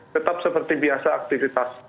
tetap seperti biasa aktivitas